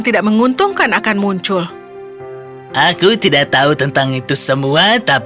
siap untuk menyambutnya